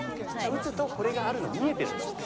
打つとこれがあるのが見えてるんです。